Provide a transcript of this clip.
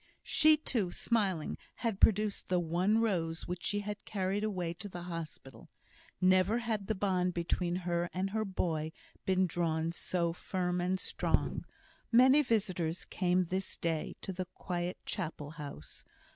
She too, smiling, had produced the one rose which she had carried away to the hospital. Never had the bond between her and her boy been drawn so firm and strong. Many visitors came this day to the quiet Chapel house.